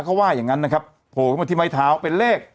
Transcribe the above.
เขาว่าอย่างนั้นนะครับโผล่เข้ามาที่ไม้เท้าเป็นเลข